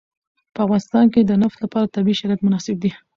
په افغانستان کې د نفت لپاره طبیعي شرایط مناسب دي.